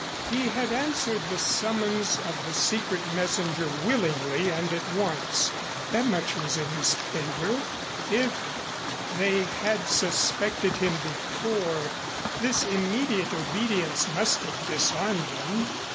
He had answered the summons of the secret messenger willingly and at once. That much was in his favor. If they had suspected him before, this immediate obedience must have disarmed them.